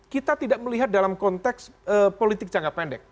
kita tidak melihat dalam konteks politik jangka pendek